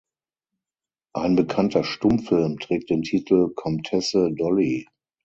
Ein bekannter Stummfilm trägt den Titel "Komtesse Dolly".